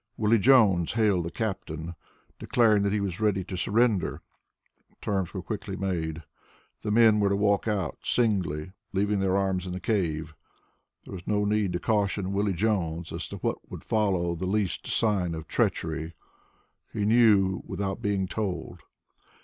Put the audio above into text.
Willie Jones hailed the captain, declaring that he was ready to surrender. Terms were quickly made. The men were to walk out singly, leaving their arms in the cave. There was no need to caution Willie Jones as to what would follow the least sign of treachery. He knew without being told.